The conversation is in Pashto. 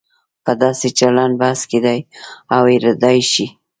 په داسې چلن بحث کېدای او هېریدای شي.